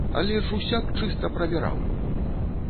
Але ж усяк чыста прабіраў!